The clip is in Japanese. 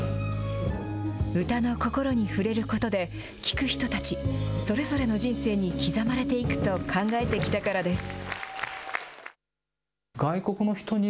歌の心に触れることで、聴く人たち、それぞれの人生に刻まれていくと考えてきたからです。